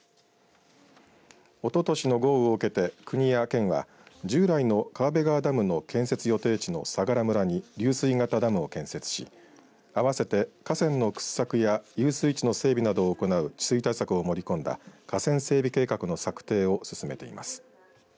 おととしの豪雨を受けて国や県は従来の川辺川ダムの建設予定地の相良村に流水型ダムを建設しあわせて河川の掘削や遊水地の整備などを行う治水対策を盛り込んだ河川整備計画の策定を進めています。